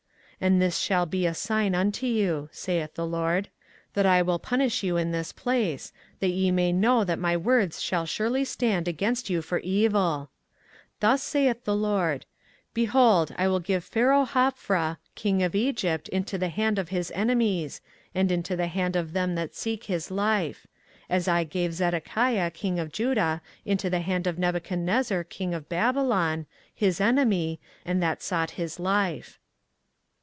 24:044:029 And this shall be a sign unto you, saith the LORD, that I will punish you in this place, that ye may know that my words shall surely stand against you for evil: 24:044:030 Thus saith the LORD; Behold, I will give Pharaohhophra king of Egypt into the hand of his enemies, and into the hand of them that seek his life; as I gave Zedekiah king of Judah into the hand of Nebuchadrezzar king of Babylon, his enemy, and that sought his life.